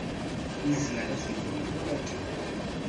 Nezmer ad t-nexdem tura kan.